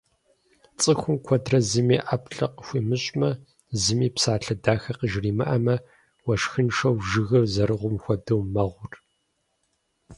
Цӏыхум, куэдрэ зыми ӏэплӏэ къыхуимыщӏмэ, зыми псалъэ дахэ къыжримыӏэмэ, уэшхыншэу жыгыр зэрыгьум хуэдэу мэгъур.